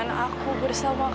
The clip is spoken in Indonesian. mama diam mbak